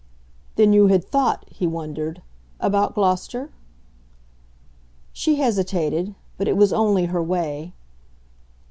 "Then you had thought," he wondered, "about Gloucester?" She hesitated but it was only her way.